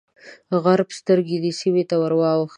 غرب سترګې دې سیمې ته واوښتې.